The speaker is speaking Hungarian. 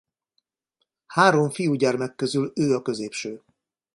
Három fiúgyermek közül ő a középső.